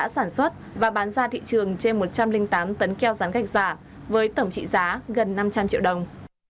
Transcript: sản xuất và bán ra thị trường trên một trăm linh tám tấn keo rán gạch giả với tổng trị giá gần năm trăm linh triệu đồng